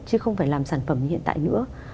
chứ không phải làm sản phẩm như hiện tại nữa